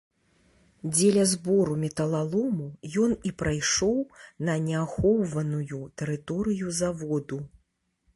Дзеля збору металалому ён і прайшоў на неахоўваную тэрыторыю заводу.